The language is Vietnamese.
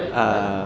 có cái quyền